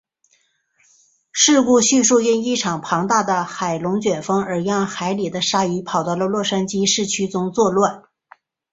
故事叙述因一场庞大的海龙卷风而让海里的鲨鱼跑到了洛杉矶市区中作乱。